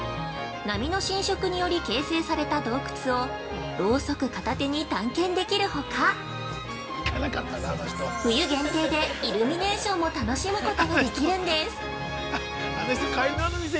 波の侵食により形成された洞窟をロウソク片手に探検できるほか、冬限定で、イルミネーションも楽しむことができるんです。